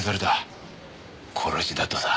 殺しだとさ。